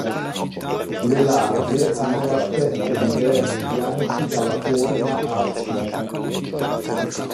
Le larve hanno l'aspetto di vermi bianchi dalla forma a "C".